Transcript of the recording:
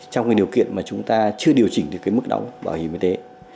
trong cái điều kiện mà chúng ta chưa điều chỉnh được cái mức đóng bảo hiểm y tế